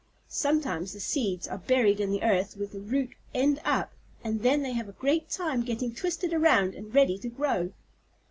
Sometimes the seeds are buried in the earth with the root end up, and then they have a great time getting twisted around and ready to grow."